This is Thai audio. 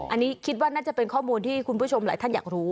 อันนี้คิดว่าน่าจะเป็นข้อมูลที่คุณผู้ชมหลายท่านอยากรู้